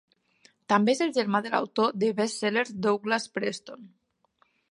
També és el germà de l'autor de best-sellers Douglas Preston.